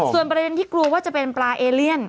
ส่วนประเด็นที่กลัวว่าจะเป็นปลาเอเลียน